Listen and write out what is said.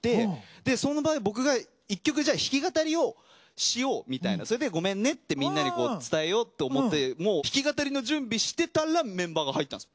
でその場合僕が１曲弾き語りをしようみたいなそれでごめんねってみんなに伝えようって思ってもう弾き語りの準備してたらメンバーが入ったんです。